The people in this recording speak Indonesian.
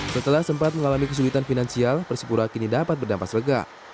setelah sempat mengalami kesulitan finansial persipura kini dapat berdampak selega